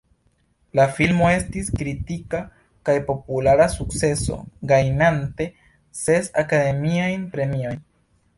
La filmo estis kritika kaj populara sukceso, gajnante ses Akademiajn Premiojn.